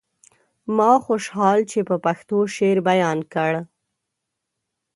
ما خوشحال چې په پښتو شعر بيان کړ.